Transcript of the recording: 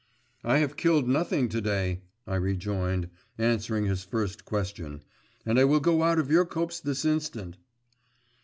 'I have killed nothing to day,' I rejoined, answering his first question; 'and I will go out of your copse this instant.